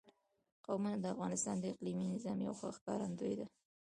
قومونه د افغانستان د اقلیمي نظام یوه ښه ښکارندوی ده.